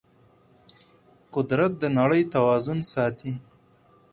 قدرت د نړۍ توازن ساتي.